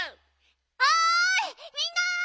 おいみんな！